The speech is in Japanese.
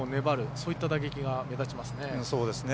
そういった打撃が目立ちますね。